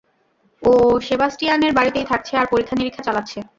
ও সেবাস্টিয়ানের বাড়িতেই থাকছে আর পরীক্ষা নিরীক্ষা চালাচ্ছে।